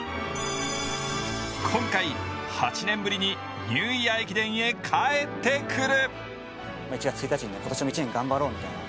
今回、８年ぶりにニューイヤー駅伝へ帰ってくる。